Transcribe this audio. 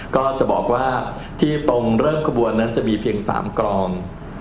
ก็จะบอกว่าที่ตรงเริ่มกระบวนนั้นจะมีเพียง๓กลอง